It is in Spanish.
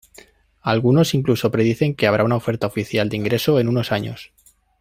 Algunos incluso predicen que habrá una oferta oficial de ingreso en unos años.